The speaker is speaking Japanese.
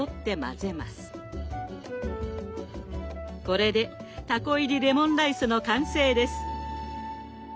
これでたこ入りレモンライスの完成です。